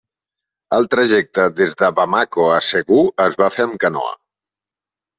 El trajecte des de Bamako a Ségou es va fer amb canoa.